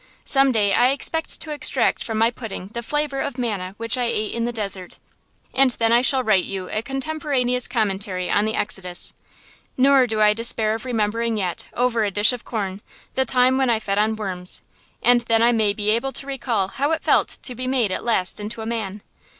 Some day I expect to extract from my pudding the flavor of manna which I ate in the desert, and then I shall write you a contemporaneous commentary on the Exodus. Nor do I despair of remembering yet, over a dish of corn, the time when I fed on worms; and then I may be able to recall how it felt to be made at last into a man.